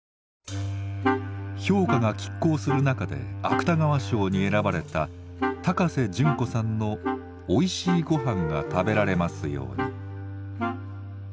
評価が拮抗する中で芥川賞に選ばれた高瀬隼子さんの「おいしいごはんが食べられますように」。